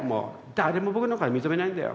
誰も僕なんか認めないんだよ。